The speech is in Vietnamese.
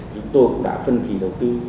chúng tôi cũng đã phân khí đầu tư